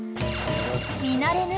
［見慣れぬ］